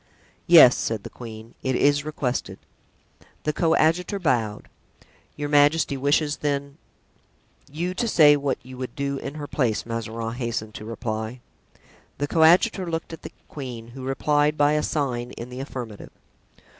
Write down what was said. "Yes," said the queen, "it is requested." The coadjutor bowed. "Your majesty wishes, then——" "You to say what you would do in her place," Mazarin hastened to reply. The coadjutor looked at the queen, who replied by a sign in the affirmative.